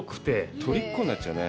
取りっこになっちゃうね。